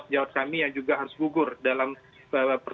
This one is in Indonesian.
tetapi kemudian atas dua puluh tahun dan trik vrij